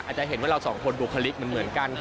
อาจจะเห็นว่าเราสองคนดูคลิกเหมือนกัน